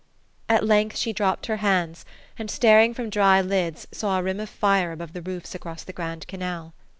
At length she dropped her hands, and staring from dry lids saw a rim of fire above the roofs across the Grand Canal.